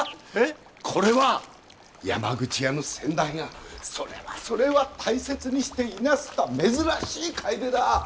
これは山口屋の先代がそれはそれは大切にしていなすった珍しい楓だ。